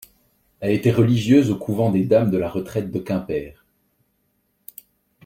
Elle était religieuse au couvent des Dames de la retraite de Quimper.